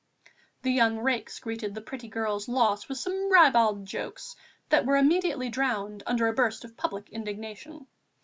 The young rakes greeted the pretty girl's loss with some ribald jokes, that were immediately drowned under a burst of public indignation.